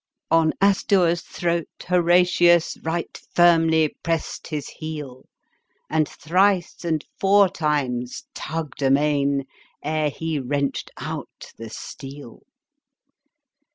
" On Astur's tliroat Horatius Eight firmly pressed his heel, And thrice and four times tugged amain, Ere he wrenched out the steel."